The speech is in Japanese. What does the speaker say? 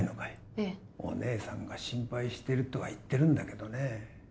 ええお姉さんが心配してるとは言ってるんだけどね